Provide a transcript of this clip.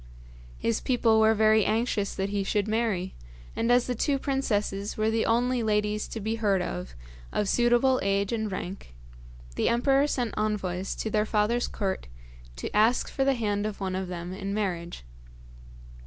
His people were very anxious that he should marry, and as the two princesses were the only ladies to be heard of of suitable age and rank, the emperor sent envoys to their father's court to ask for the hand of one of them in marriage.